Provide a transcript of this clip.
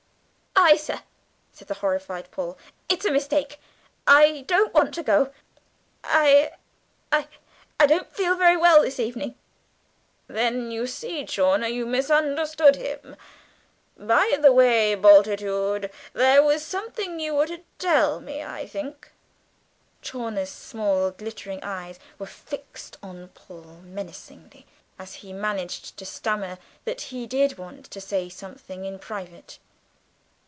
"I, sir!" said the horrified Paul, "it's a mistake I don't want to go. I I don't feel very well this evening!" "Then you see, Chawner, you misunderstood him. By the way, Bultitude, there was something you were to tell me, I think?" Chawner's small glittering eyes were fixed on Paul menacingly as he managed to stammer that he did want to say something in private.